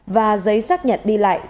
và giấy xác nhận đi lại